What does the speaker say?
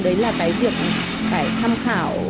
đấy là cái việc phải tham khảo